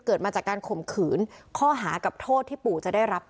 มาจากการข่มขืนข้อหากับโทษที่ปู่จะได้รับ